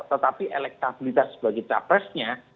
tetapi elektabilitas sebagai capresnya